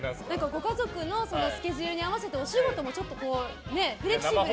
ご家族のスケジュールに合わせてお仕事もフレシキブルにできる。